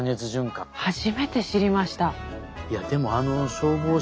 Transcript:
初めて知りました。